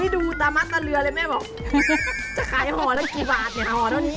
ดูตามันตาเรือเลยแม่บอกจะขายหอแล้วกี่บาทยังแอบหอต้นนี้